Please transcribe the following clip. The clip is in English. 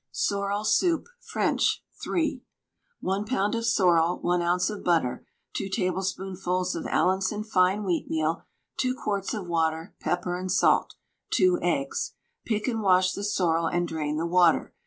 SORREL SOUP (French) (3). 1 lb. of sorrel, 1 oz. of butter, 2 tablespoonfuls of Allinson fine wheatmeal, 2 quarts of water, pepper and salt, 2 eggs. Pick and wash the sorrel and drain the water.